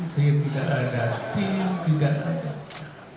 saya tidak ada tim tidak ada